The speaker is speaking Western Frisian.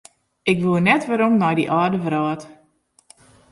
Ik woe net werom nei dy âlde wrâld.